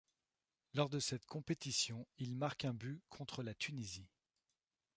Lors de cette compétition, il marque un but contre la Tunisie.